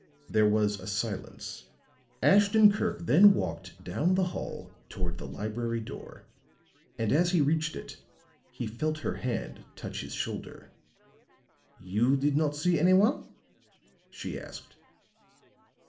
There was a silence; Ashton Kirk then walked down the hall toward the library door; and as he reached it, he felt her hand touch his shoulder. "You did not see any one?" she asked.